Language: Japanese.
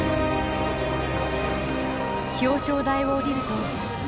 表彰台を降りると。